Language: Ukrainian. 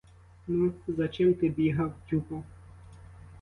Ну, за чим ти бігав, тюпав?